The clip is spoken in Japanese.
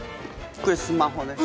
これスマホね。